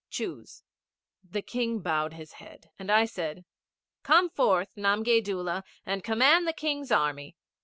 Choose.' The King bowed his head, and I said, 'Come forth, Namgay Doola, and command the King's Army.